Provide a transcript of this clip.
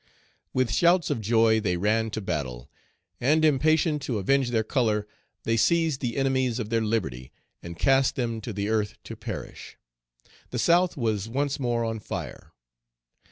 With shouts of joy they ran to battle, and, impatient to avenge their color, they seized the enemies of their liberty, and cast them to the earth to perish. The South was once more on fire.